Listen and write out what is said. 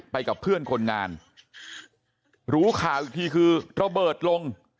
กับเพื่อนคนงานรู้ข่าวอีกทีคือระเบิดลง